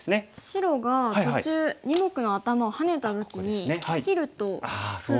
白が途中二目のアタマをハネた時に切ると黒。